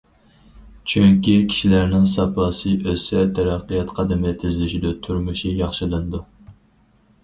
چۈنكى كىشىلەرنىڭ ساپاسى ئۆسسە تەرەققىيات قەدىمى تېزلىشىدۇ، تۇرمۇشى ياخشىلىنىدۇ.